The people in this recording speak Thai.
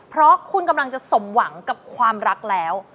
เพราะคุณกำลังจะสมหวังกับความรักแล้ว